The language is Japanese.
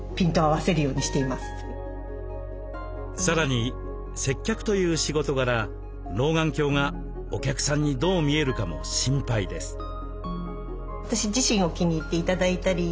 さらに接客という仕事柄老眼鏡がお客さんにどう見えるかも心配です。